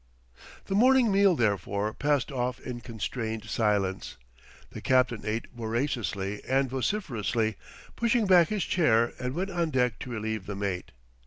The morning meal, therefore, passed off in constrained silence. The captain ate voraciously and vociferously, pushed back his chair, and went on deck to relieve the mate.